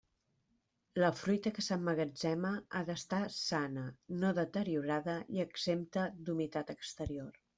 La fruita que s'emmagatzema ha d'estar sana, no deteriorada i exempta d'humitat exterior.